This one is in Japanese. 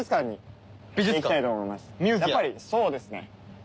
やっぱりそうですね。